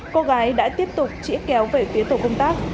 cô gái đã tiếp tục trĩa kéo về phía tổ công tác